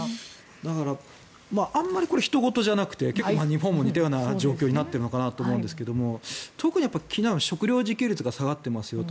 だからあまりひと事じゃなくて結構、日本も似たような状況になっているのかなと思うんですが特に気になるのは、食料自給率が下がっていますよと。